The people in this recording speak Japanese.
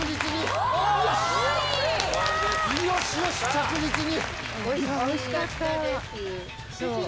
よし、よし、着実に。